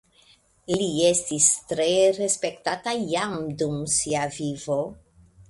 Li estis tre respektata jam dum sia vivo.